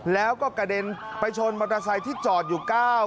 แล้วก็กระเด็นไปชนมอเตอร์ไซค์ที่จอดอยู่